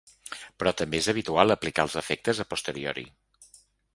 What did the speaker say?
Però també és habitual aplicar els efectes a posteriori.